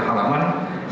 saya belum dikaji